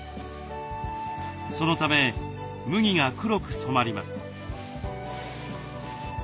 そのため麦が黒く染まります。